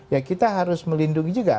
ya kita harus melindungi juga